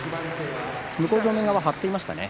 向正面側は張っていましたね。